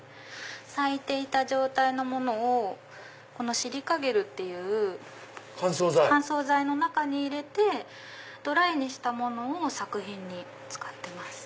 咲いていた状態のものをこのシリカゲルっていう乾燥剤の中に入れてドライにしたものを作品に使ってます。